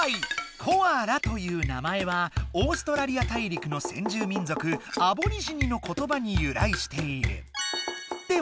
「コアラ」という名前はオーストラリア大陸の先住民族アボリジニのことばにゆらいしている。